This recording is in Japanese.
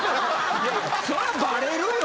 そりゃバレるよ。